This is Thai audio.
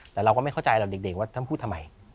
แต่เราก็ไม่เข้าใจหรอกเด็กว่าท่านพูดทำไม